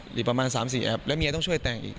อีกประมาณ๓๔แอปแล้วเมียต้องช่วยแต่งอีก